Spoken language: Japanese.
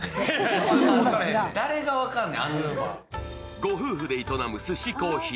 ご夫婦で営むスシコーヒー。